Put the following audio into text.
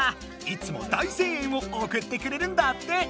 いつも大声援をおくってくれるんだって。